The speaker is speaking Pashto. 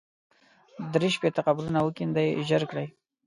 درې شپېته قبرونه وکېندئ ژر کړئ.